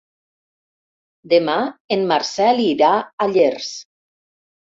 Demà en Marcel irà a Llers.